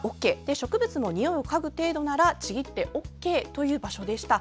植物もにおいをかぐ程度ならちぎってＯＫという場所でした。